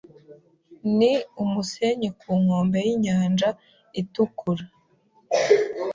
Ni umusenyi ku nkombe yInyanja Itukura